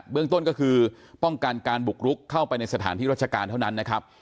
เรื่องต้นก็คือป้องกันการบุกรุกเข้าไปในสถานที่ราชการเท่านั้นนะครับ